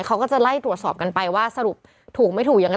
เขาก็จะไล่ตรวจสอบกันไปว่าสรุปถูกไม่ถูกยังไง